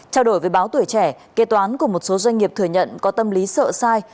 trao đổi với báo tuổi trẻ kê toán của một số doanh nghiệp thừa nhận có tâm lý sợ sai